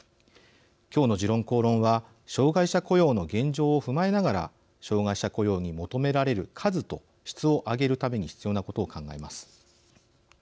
今日の「時論公論」は障害者雇用の現状を踏まえながら障害者雇用に求められる数と質を上げるために必要なことを考えます。